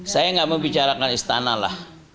saya gak mau bicarakan istana lah